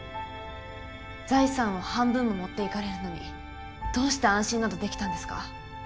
財産を半分も持っていかれるのにどうして安心などできたんですか？